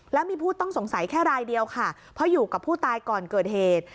แล้วมีผู้ต้องสงสัยแค่รายเดียวค่ะเพราะอยู่กับผู้ตายก่อนเกิดเหตุ